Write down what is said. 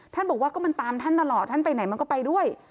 บอกว่าก็มันตามท่านตลอดท่านไปไหนมันก็ไปด้วย